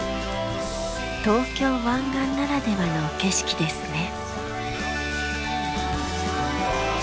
東京湾岸ならではの景色ですね。